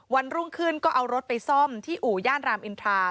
วันรุ่งขึ้นก็เอารถไปซ่อมที่อู่ย่านรามอินทรา